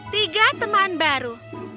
tiga teman baru